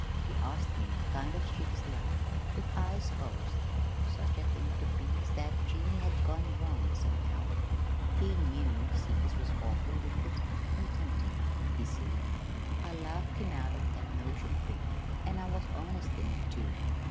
He asked me, kind of sheepish like, if I s'posed such a thing could be as that Jimmy had gone wrong, somehow. He knew cities was awful wicked an' temptin', he said. "I laughed him out of that notion quick, an' I was honest in it, too.